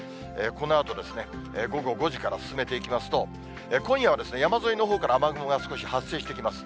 このあとですね、午後５時から進めていきますと、今夜はですね、山沿いのほうから雨雲が少し発生してきます。